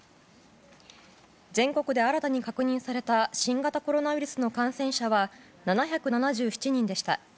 全国で新たに確認された新型コロナウイルスの感染者は７７７人でした。